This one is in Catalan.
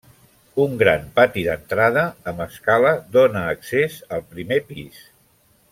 Un gran pati d'entrada amb escala dóna accés al primer pis.